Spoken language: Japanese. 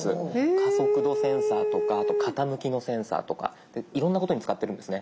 加速度センサーとか傾きのセンサーとかいろんなことに使ってるんですね。